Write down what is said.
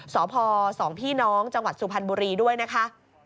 สภสองพี่น้องจังหวัดสุพันธ์บุรีด้วยนะคะ